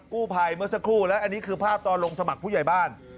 กู้ภัยเมื่อสักครู่แล้วอันนี้คือภาพตอนลงสมัครผู้ใหญ่บ้าน